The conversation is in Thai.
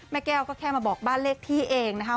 แม่แก้วก็แค่มาบอกบ้านเลขที่เองนะคะ